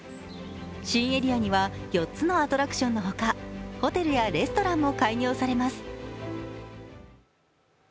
新エリアには４つのアトラクションのほかホテルやレストランも開業されます。